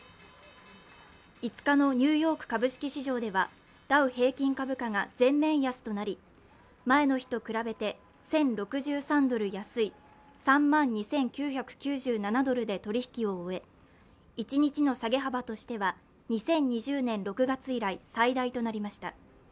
５日のニューヨーク株式市場ではダウ平均株価が全面安となり前の日と比べて１０６３ドル安い３万２９９７ドルで取引を終え、一日の下げ幅としては２０２０年６月以来最大となりました。